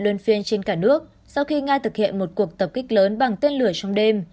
đơn phiên trên cả nước sau khi nga thực hiện một cuộc tập kích lớn bằng tên lửa trong đêm